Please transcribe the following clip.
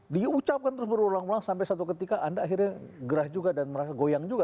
diucapkan terus berulang ulang sampai satu ketika anda akhirnya gerah juga dan merasa goyang juga